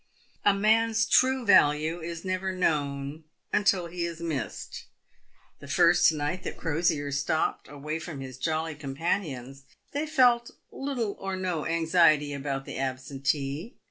A man's true value is never known until he is missed. The first night that Crosier stopped away from his jolly companions they felt little or no anxiety about the absentee.